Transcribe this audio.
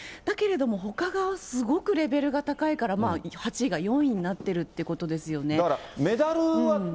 だけれども、ほかがすごくレベルが高いから、８位が４位になってるということですよね。